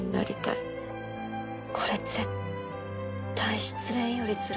・「これ絶対失恋よりつらいよ」